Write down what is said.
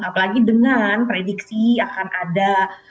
apalagi dengan prediksi akan ada dua ribu dua puluh tiga